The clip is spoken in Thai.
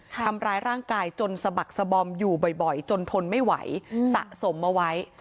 ทำร้ายร่างกายจนสะบักสบอมอยู่บ่อยจนทนไม่ไหวสะสมเอาไว้